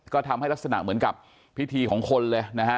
ก็ทำให้ลักษณะเหมือนกับพิธีของคนเลยนะฮะ